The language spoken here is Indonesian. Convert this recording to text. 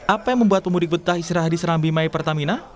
apa yang membuat pemudik betah istirahat di serambi my pertamina